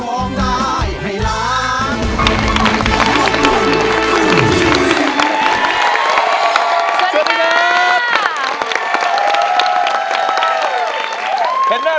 สวัสดีครับ